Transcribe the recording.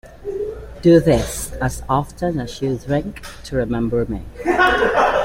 Do this as often as you drink, to remember me.